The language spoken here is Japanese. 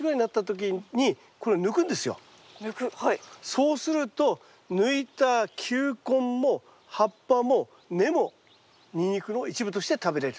そうすると抜いた球根も葉っぱも根もニンニクの一部として食べれる。